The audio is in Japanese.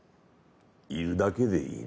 いるだけでいいんだ。